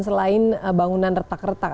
selain bangunan retak retak